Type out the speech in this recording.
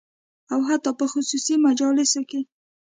او حتی په خصوصي مجالسو کې